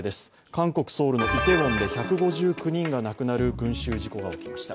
韓国ソウルのイテウォンで１５９人が亡くなる群集事故が起きました。